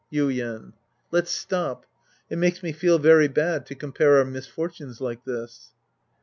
Yuien. Let's stop. It makes me feel very bad to compare our misfortunes like this.